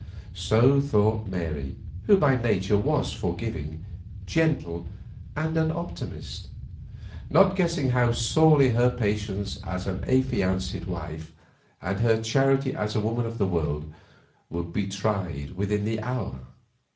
So thought Mary, who by nature was forgiving, gentle, and an optimist; not guessing how sorely her patience as an affianced wife, and her charity as a woman of the world, would be tried within the hour.